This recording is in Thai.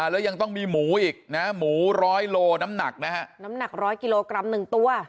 แล้วยังต้องมีหมูอีกนะหมูร้อยโลน้ำหนักนะฮะน้ำหนักร้อยกิโลกรัมหนึ่งตัว